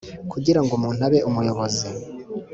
Kugirango umuntu abe umuyobozi